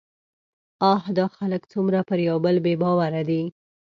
اه! دا خلک څومره پر يوبل بې باوره دي